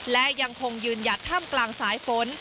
และยังคงยืนหยัดถ้ำกลางสายฝน